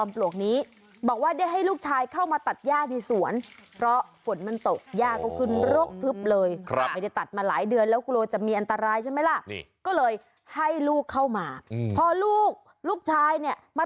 เพราะลูกชายมาตัดแย่จุงเกือบเสร็จแล้วนะ